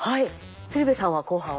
鶴瓶さんは後半は？